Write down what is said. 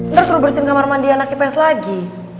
ntar suruh bersihin kamar mandi anaknya ps lagi